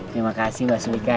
terima kasih mbak sulika ya